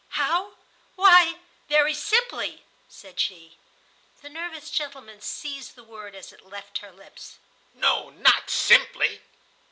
"How? Why, very simply," said she. The nervous gentleman seized the word as it left her lips. "No, not simply."